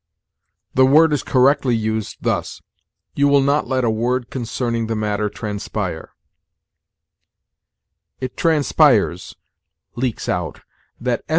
The word is correctly used thus: "You will not let a word concerning the matter transpire"; "It transpires [leaks out] that S.